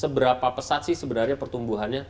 seberapa pesat sih sebenarnya pertumbuhannya